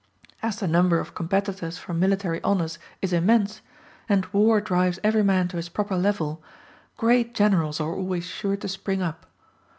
As the number of competitors for military honors is immense, and war drives every man to his proper level, great generals are always sure to spring up.